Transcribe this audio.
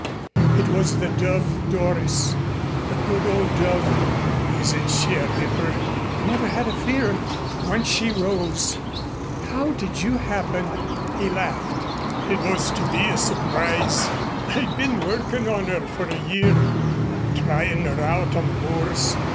It was the Dove, Doris the good old Dove. Isn't she a ripper?" "I never had a fear once she rose. How did you happen " He laughed. "It was to be a surprise. I'd been workin' on her for a year tryin' her out on the moors.